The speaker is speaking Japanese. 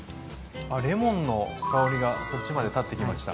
レモンの香りがこっちまで立ってきました。